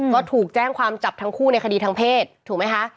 ก็ถูกแจ้งความจับทั้งคู่ในคดีทางเพศถูกไหมคะ